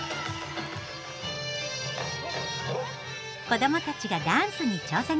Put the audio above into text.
子どもたちがダンスに挑戦だ。